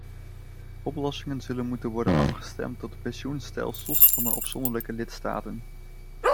Oplossingen zullen moeten worden afgestemd op de pensioenstelsels van de afzonderlijke lidstaten.